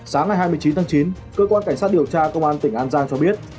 sáng ngày hai mươi chín tháng chín cơ quan cảnh sát điều tra công an tỉnh an giang cho biết